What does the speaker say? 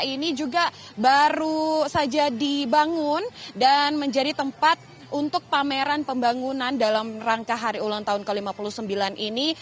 ini juga baru saja dibangun dan menjadi tempat untuk pameran pembangunan dalam rangka hari ulang tahun ke lima puluh sembilan ini